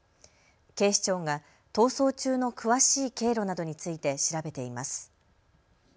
警視庁が逃走中の詳しい経路などについて調べています。